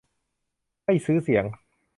ไม่ซื้อเสียง